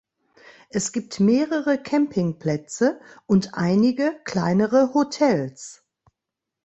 Es gibt mehrere Campingplätze und einige kleinere Hotels.